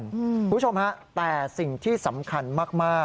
คุณผู้ชมฮะแต่สิ่งที่สำคัญมาก